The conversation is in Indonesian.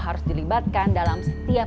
harus dilibatkan dalam setiap